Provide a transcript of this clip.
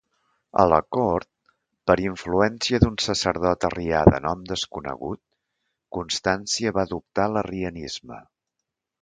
A la cort, per influència d'un sacerdot arrià de nom desconegut, Constància va adoptar l'arrianisme.